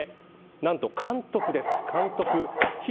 なんと監督です。